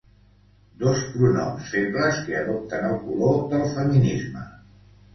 Dos pronoms febles que adopten el color del feminisme.